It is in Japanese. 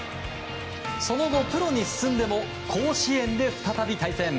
その後、プロに進んでも甲子園で再び対戦。